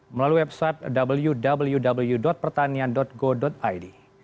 melalui website wwww pertanian go id